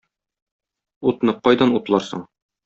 Утны кайдан утларсың?